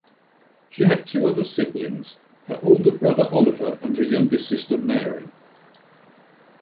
She had two other siblings: her older brother, Oliver, and her younger sister, Mary.